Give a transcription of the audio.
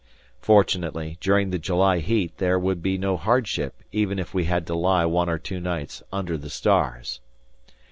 Fortunately, during the July heat there would be no hardship even if we had to lie one or two nights under the stars.